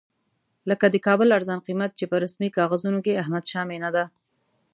لکه د کابل ارزان قیمت چې په رسمي کاغذونو کې احمدشاه مېنه ده.